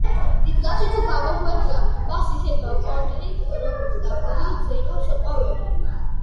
დიდკაცი თუ გამოგვერია, მას ისე დავკორტნით, როგორც დაკოდილ ძერას ყვავები.